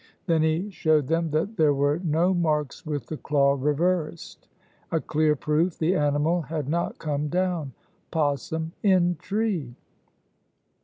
Then he showed them that there were no marks with the claw reversed, a clear proof the animal had not come down. "Possum in tree."